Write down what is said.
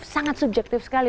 sangat subjektif sekali